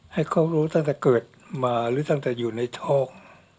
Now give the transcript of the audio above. ให้เขารู้ตั้งแต่เกิดมาหรือตั้งแต่อยู่ในโชค